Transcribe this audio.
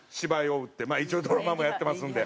まあ一応ドラマもやってますんで。